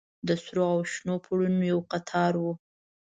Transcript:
د سرو او شنو پوړونو يو قطار و.